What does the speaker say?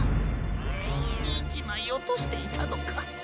１まいおとしていたのか！？